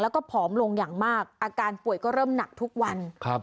แล้วก็ผอมลงอย่างมากอาการป่วยก็เริ่มหนักทุกวันครับ